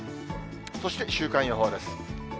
そして週間予報です。